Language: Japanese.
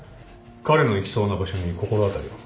彼の行きそうな場所に心当たりは？